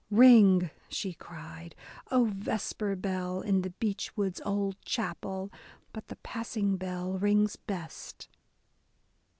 " Ring," she cried, " O vesper bell, in the beechwood's old chapelle ! But the passing bell rings best."